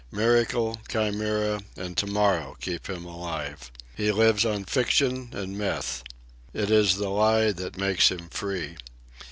Miracle, chimera and to morrow keep him alive. He lives on fiction and myth. It is the Lie that makes him free.